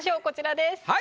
こちらです。